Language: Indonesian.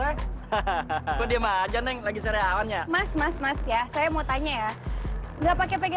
elunya nggak apa apa aja